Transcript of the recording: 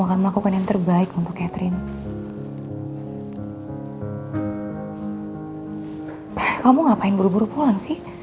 kamu mending pikirin deh keadaan